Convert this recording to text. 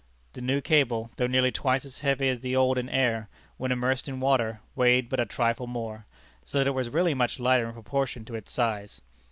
The new cable, though nearly twice as heavy as the old in air, when immersed in water, weighed but a trifle more; so that it was really much lighter in proportion to its size.